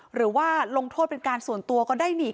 หรือว่าลงโทษเป็นการส่วนตัวก็ได้นี่